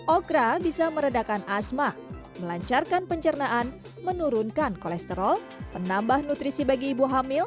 okra bisa meredakan asma melancarkan pencernaan menurunkan kolesterol penambah nutrisi bagi ibu hamil